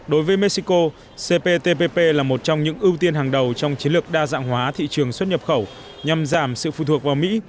đối với mexico cptpp là một trong những ưu tiên hàng đầu trong chiến lược đa dạng hóa thị trường xuất nhập khẩu nhằm giảm sự phụ thuộc vào mỹ